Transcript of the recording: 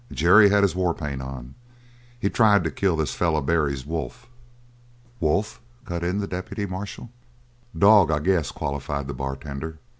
Jerry had his war paint on. He tried to kill this feller Barry's wolf." "Wolf?" cut in the deputy marshal. "Dog, I guess," qualified the bartender.